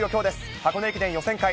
箱根駅伝予選会。